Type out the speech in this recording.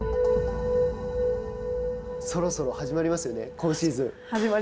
そろそろ始まりますよね、今シーズン。